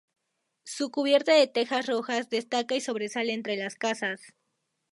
Su cubierta de tejas rojas destaca y sobresale entre las casas.